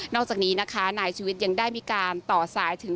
อกจากนี้นะคะนายชีวิตยังได้มีการต่อสายถึง